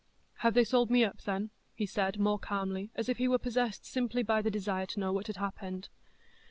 "Have they sold me up, then?" he said more calmly, as if he were possessed simply by the desire to know what had happened.